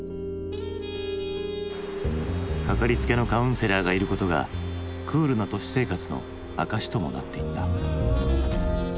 かかりつけのカウンセラーがいることがクールな都市生活の証しともなっていった。